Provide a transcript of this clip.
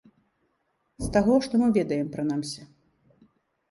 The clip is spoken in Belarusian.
З таго, што мы ведаем, прынамсі.